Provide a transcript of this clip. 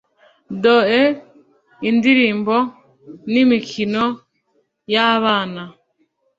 doe indirimbo n’imikino y’abana.